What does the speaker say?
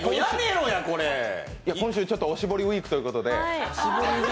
今週、おしぼりウイークということで。